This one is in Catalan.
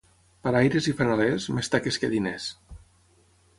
Paraires i fanalers, més taques que diners.